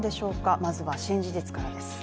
まずは新事実からです。